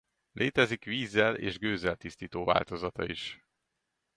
Létezik vízzel és gőzzel tisztító változata is.